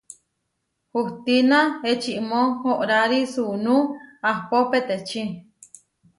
Hustína ečimó oʼórari suunú ahpó petecí.